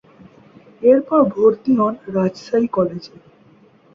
এরপর ভর্তি হন রাজশাহী কলেজে।